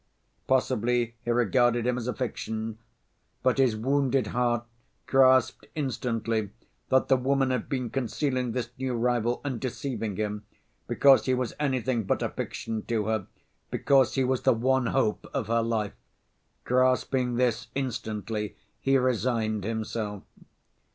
Possibly he regarded him as a fiction. But his wounded heart grasped instantly that the woman had been concealing this new rival and deceiving him, because he was anything but a fiction to her, because he was the one hope of her life. Grasping this instantly, he resigned himself.